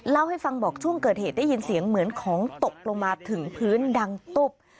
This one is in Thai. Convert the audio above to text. เล่าให้ฟังบอกช่วงเกิดเหตุได้ยินเสียงเหมือนของตกลงมาถึงพื้นดังตุ๊บ